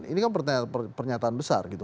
ini kan pernyataan besar gitu